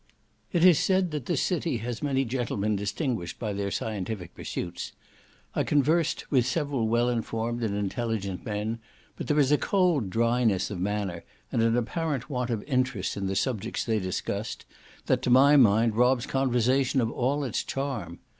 It is said that this city has many gentlemen distinguished by their scientific pursuits; I conversed with several well informed and intelligent men, but there is a cold dryness of manner and an apparent want of interest in the subjects they discuss, that, to my mind, robs conversation of all its charm.